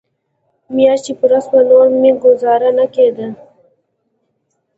مياشت چې پوره سوه نور مې گوزاره نه کېده.